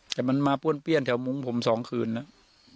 แต่มันมาป้วนเปี้ยนแถวมุ้งผมสองคืนนะ